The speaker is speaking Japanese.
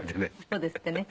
そうですってね。